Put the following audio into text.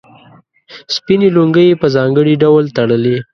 سپینې لونګۍ یې په ځانګړي ډول تړلې.